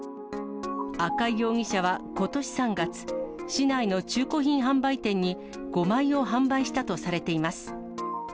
赤井容疑者はことし３月、市内の中古品販売店に、５枚を販売したとされています。